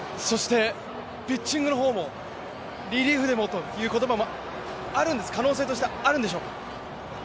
ピッチングの方もリリーフでもということも可能性としてはあるんでしょうか？